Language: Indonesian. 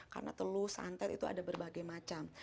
karena teluh santet itu ada berbagai macam